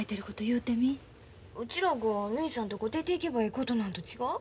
うちらがぬひさんとこ出ていけばええことなんと違う？